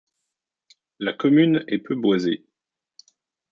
La commune est peu boisée.